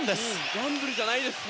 ギャンブルじゃないです。